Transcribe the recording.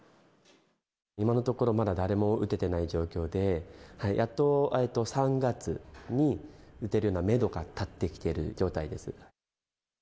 今のところ、まだ誰も打ててない状況で、やっと３月に打てるようなメドが立ってきてる状態です。